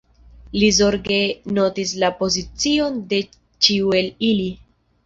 Li zorge notis la pozicion de ĉiu el ili.